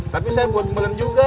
tapi saya buat melon juga